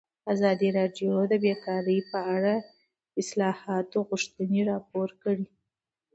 ازادي راډیو د بیکاري په اړه د اصلاحاتو غوښتنې راپور کړې.